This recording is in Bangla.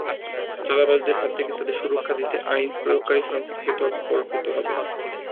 চাঁদাবাজদের হাত থেকে তাঁদের সুরক্ষা দিতে আইন প্রয়োগকারী সংস্থাকেই তৎপর হতে হবে।